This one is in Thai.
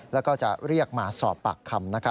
แล้วก็จะเรียกมาสอบปากคำ